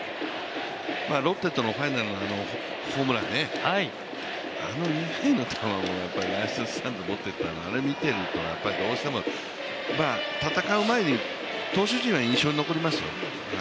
ロッテとのファイナルのホームランね、あのビハインドの球、あれを見ているとどうしても戦う前に投手陣は印象に残りますよ。